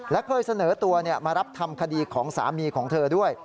และเคยเสนอตัวมารับทำคดีของสามีของเธอด้วย